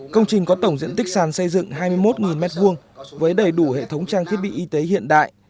công trình có tổng diện tích sàn xây dựng hai mươi một m hai với đầy đủ hệ thống trang thiết bị y tế hiện đại